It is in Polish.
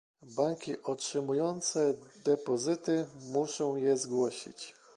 Banki, otrzymujące depozyty, muszą je zgłosić